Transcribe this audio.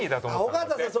尾形さん